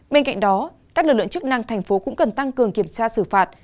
bên cạnh đó các lực lượng chức năng thành phố cũng cần tăng cường kiểm tra xử phạt